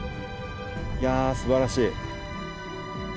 いやすばらしい。